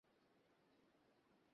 শুরুতে ককটেইল নিবো?